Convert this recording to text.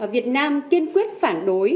việt nam tiên quyết phản đối